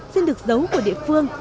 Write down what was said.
xin được giấu của địa phương